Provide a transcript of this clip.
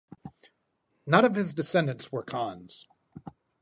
None of his descendants were khans.